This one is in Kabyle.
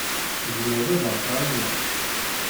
Tzemreḍ ad aɣ-tɛawneḍ?